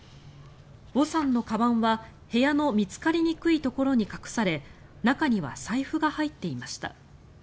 ヴォさんのかばんは部屋の見つかりにくいところに隠され中には財布が入っていました。